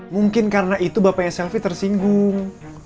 mungkin karena itu bapaknya selfie tersinggung